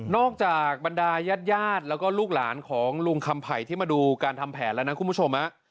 จากบรรดายาดแล้วก็ลูกหลานของลุงคำไผ่ที่มาดูการทำแผนแล้วนะคุณผู้ชม